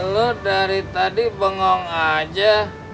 lo dari tadi bengong aja